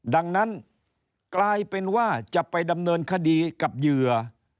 ดังนั้นกลายเป็นว่าจะไปดำเนินคดีกับเหยื่อ